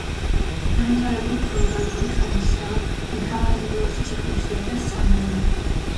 განვითარებული ფეოდალური ხანისაა მთავარანგელოზის ეკლესია და სამაროვანი.